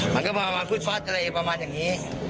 มันก็มามาคุดฟัดเลยประมาณอย่างนี้